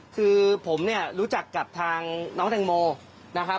คือผมเนี่ยรู้จักกับทางน้องแตงโมนะครับ